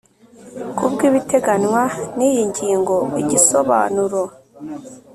Ku bw ibiteganywa n iyi ngingo igisobanuro